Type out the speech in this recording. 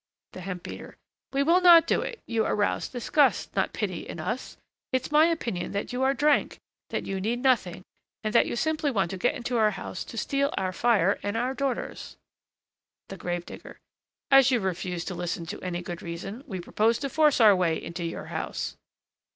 THE HEMP BEATER. We will not do it; you arouse disgust, not pity, in us. It's my opinion that you are drank, that you need nothing, and that you simply want to get into our house to steal our fire and our daughters. THE GRAVE DIGGER. As you refuse to listen to any good reason, we propose to force our way into your house.